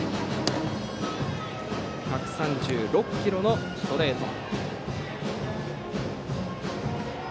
１３６キロのストレート。